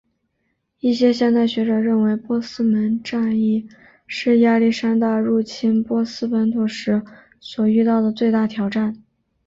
一些现代学者认为波斯门战役是亚历山大入侵波斯本土时所遇到的最大挑战。